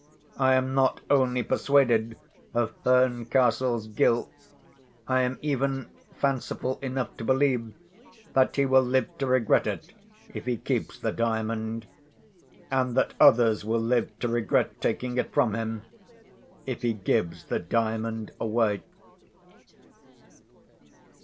I am not only persuaded of Herncastle's guilt; I am even fanciful enough to believe that he will live to regret it, if he keeps the Diamond; and that others will live to regret taking it from him, if he gives the Diamond away.